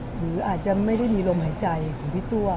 หรืออาจจะไม่ได้มีลมหายใจของพี่ตัว